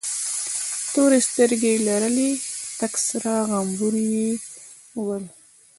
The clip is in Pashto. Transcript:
تورې سترگې يې لرلې، تک سره غمبوري یې ول.